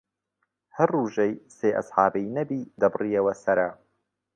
هەر ڕوژەی سێ ئەسحابەی نەبی دەبڕیەوە سەرە